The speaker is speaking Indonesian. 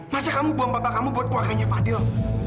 masa kamu buang bapak kamu buat keluarganya fadil